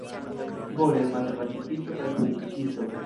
Borel, matematikisto kaj politikisto.